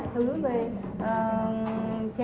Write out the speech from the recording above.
các thứ về